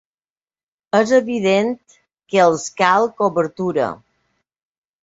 És evident que els cal cobertura.